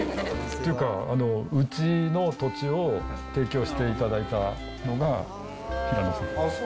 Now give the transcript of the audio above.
っていうか、うちの土地を提供していただいたのが平野さん。